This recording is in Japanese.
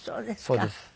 そうです。